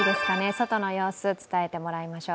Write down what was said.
外の様子、伝えてもらいましょう。